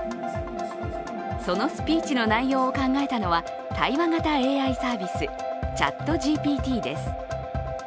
そのスピーチの内容を考えたのは対話型ＡＩサービス、ＣｈａｔＧＰＴです。